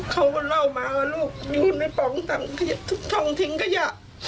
เค้าเล่ามาว่าลูกอยู่ในปองท้องทิ้งกระหยะ